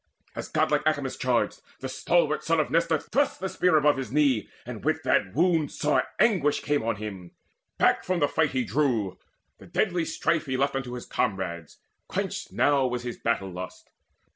As godlike Acamas charged, the stalwart son Of Nestor thrust the spear above his knee, And with that wound sore anguish came on him: Back from the fight he drew; the deadly strife He left unto his comrades: quenched was now His battle lust.